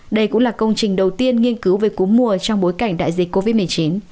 đây cũng là công trình đầu tiên nghiên cứu về cúm mùa trong bối cảnh đại dịch covid một mươi chín